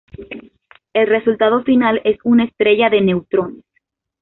El resultado final es una estrella de neutrones.